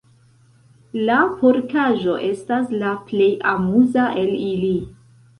La porkaĵo estas la plej amuza el ili.